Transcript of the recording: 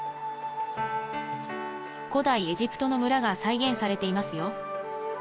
古代エジプトの村が再現されていますよ。